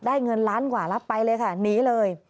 ได้เงินล้านกว่าแล้วไปเลยค่ะหนีเลย